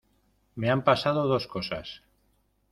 me han pasado dos cosas